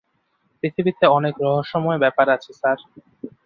পৃথিবীতে অনেক রহস্যময় ব্যাপার আছে স্যার।